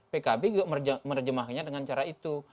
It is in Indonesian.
pkb juga menerjemahkannya dengan cara itu